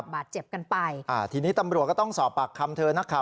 บาดเจ็บกันไปอ่าทีนี้ตำรวจก็ต้องสอบปรับคำ